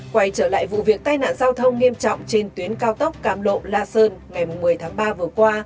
quay trở lại vụ việc tai nạn giao thông nghiêm trọng trên tuyến cao tốc cam lộ la sơn ngày một mươi tháng ba vừa qua